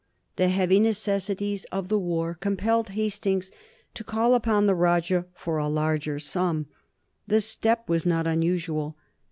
The heavy necessities of the war compelled Hastings to call upon the Rajah for a larger sum. The step was not unusual.